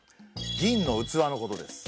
銀の器のことです。